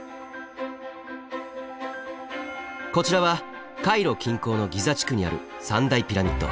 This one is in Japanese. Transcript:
こちらはカイロ近郊のギザ地区にある３大ピラミッド。